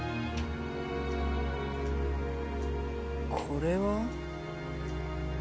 これは？